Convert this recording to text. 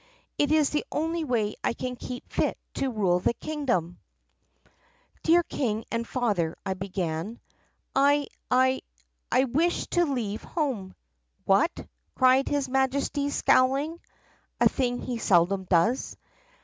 It is the only way I can keep fit to rule the kingdom.' " 'Dear King and Father,' I began, 'I — I — I wish to leave home!' " 'What!' cried his Majesty scowling (a thing he seldom does).